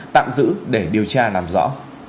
tạm giữ để điều tra làm rõ